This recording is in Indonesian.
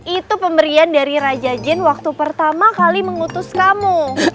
itu pemberian dari raja jin waktu pertama kali mengutus kamu